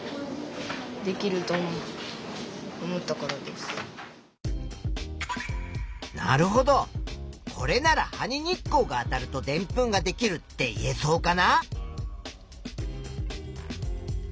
理由はなるほどこれなら「葉に日光があたるとでんぷんができる」って言えそうかな？